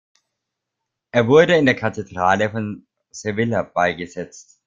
Er wurde in der Kathedrale von Sevilla beigesetzt.